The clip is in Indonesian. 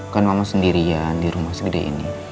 kan mama sendirian di rumah segede ini